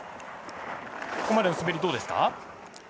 ここまでの滑りはどうですか？